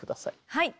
はい。